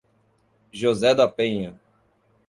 José da Penha